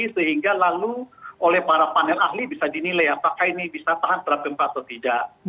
sehingga lalu oleh para panel ahli bisa dinilai apakah ini bisa tahan terhadap gempa atau tidak